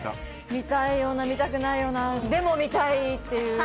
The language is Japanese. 見たいような、見たくないような、でも見たい。